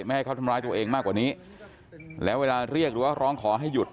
ให้เขาทำร้ายตัวเองมากกว่านี้แล้วเวลาเรียกหรือว่าร้องขอให้หยุด